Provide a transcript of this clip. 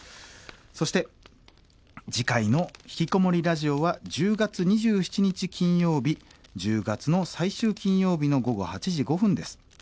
そして次回の「ひきこもりラジオ」は１０月２７日金曜日１０月の最終金曜日の午後８時５分です。